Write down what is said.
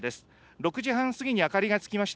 ６時半過ぎに明かりがつきました。